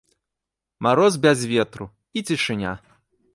Мароз без ветру, і цішыня.